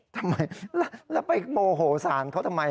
ทำไมแล้วไปโบโหศาลเขาทำไมอ่ะ